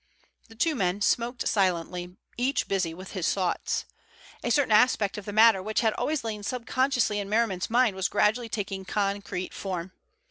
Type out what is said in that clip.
The two men smoked silently, each busy with his thoughts. A certain aspect of the matter which had always lain subconsciously in Merriman's mind was gradually taking concrete form.